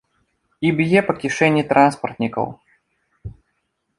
І б'е па кішэні транспартнікаў.